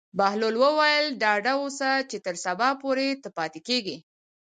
بهلول وویل: ډاډه اوسه چې تر سبا پورې نه پاتې کېږي.